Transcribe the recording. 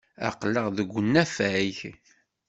Aql-aɣ deg unafag.